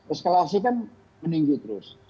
eskalasi kan meninggi terus